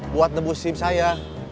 buat nebus sim saya